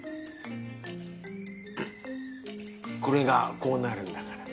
これがこうなるんだから。